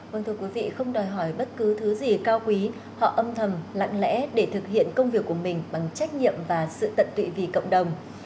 vâng thưa quý vị không đòi hỏi bất cứ thứ gì cao quý họ âm thầm lặng lẽ để thực hiện công việc của mình bằng trách nhiệm và sự tận tụy vì cộng đồng